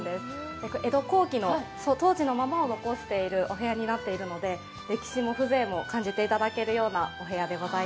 江戸後期の当時のままを残しているお部屋になっているので、歴史も風情も感じていただけるようなお部屋です。